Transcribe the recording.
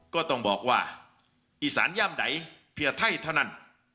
ก็ต้องบอกว่าอีสานย่ามไหนเพียไทยเท่านั้น